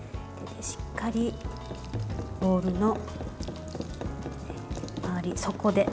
しっかりボウルの周り、底で。